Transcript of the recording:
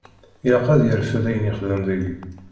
Ilaq ad yerfed ayen yexdem deg-i.